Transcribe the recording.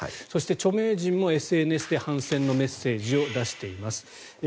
そして、著名人もＳＮＳで反戦のメッセージを出しています。